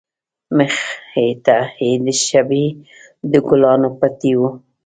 مخې ته يې د شبۍ د گلانو پټى و.